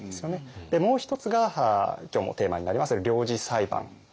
もう一つが今日もテーマになりますが領事裁判。